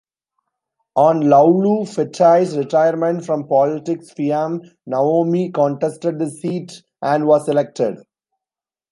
On Laulu Fetaui's retirement from politics Fiame Naomi contested the seat and was elected.